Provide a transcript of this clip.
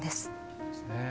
そうですね。